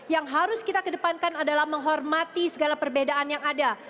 yang harus kita kedepankan adalah menghormati segala perbedaan yang ada